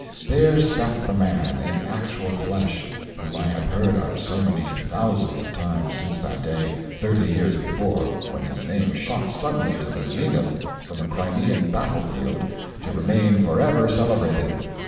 There sat the man, in actual flesh, whom I had heard of so many thousands of times since that day, thirty years before, when his name shot suddenly to the zenith from a Crimean battle field, to remain for ever celebrated.